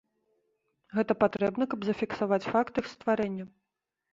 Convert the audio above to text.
Гэта патрэбна, каб зафіксаваць факт іх стварэння.